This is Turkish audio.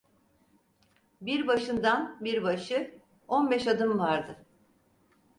Bir başından bir başı on beş adım vardı.